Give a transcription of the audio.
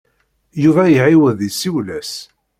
Yuba iɛiwed yessiwel-as.